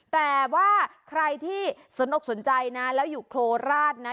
แต่ว่าใครที่สนอกสนใจนะแล้วอยู่โคราชนะ